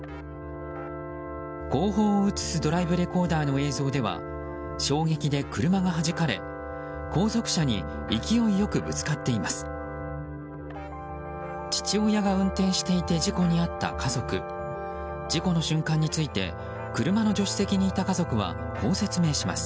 後方を映すドライブレコーダーの映像では衝撃で車がはじかれ、後続車に勢いよくぶつかっています。